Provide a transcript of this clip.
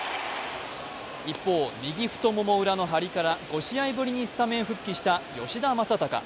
一方、右太もも裏の張りから５試合ぶりにスタメン復帰した吉田正尚。